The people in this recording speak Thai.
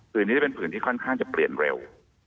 พื้นนี้เป็นพื้นที่ค่อนข้างจะเปลี่ยนเร็ว